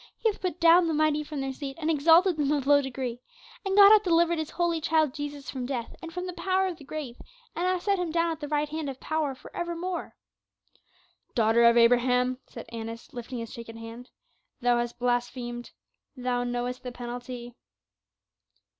He hath put down the mighty from their seat, and exalted them of low degree. And God hath delivered his holy child Jesus from death and from the power of the grave, and hath set him down at the right hand of power for ever more." "Daughter of Abraham," said Annas, lifting his shaking hand, "thou hast blasphemed. Thou knowest the penalty."